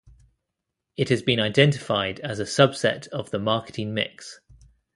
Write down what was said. It has been identified as a subset of the marketing mix.